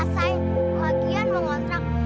rasain bagian mau kontrak